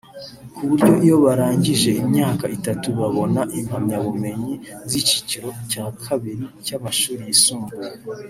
ku buryo iyo barangije imyaka itatu babona impamyabumenyi z’icyiciro cya kabiri cy’amashuri yisumbuye